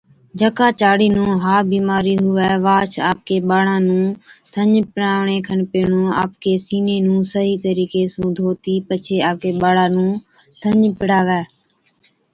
جڪا چاڙي نُون ها بِيمارِي هُوَي واهچ آپڪي ٻاڙا نُون ٿَڃ پِڙاوَڻي کن پيهڻُون آپڪي سِيني نُون صحِيح طريقي سُون ڌوتِي پڇي آپڪي ٻاڙا نُون ٿَڃ پِڙاوَي